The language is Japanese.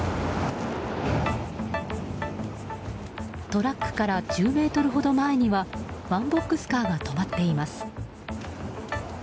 トラックから１０ｍほど前にはワンボックスカーが止まっています。